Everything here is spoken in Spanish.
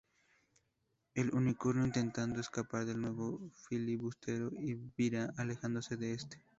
El Unicornio, intentando escapar del navío filibustero, vira alejándose de este.